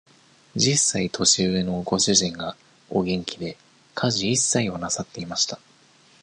十歳年上のご主人が、お元気で、家事一切をなさっていました。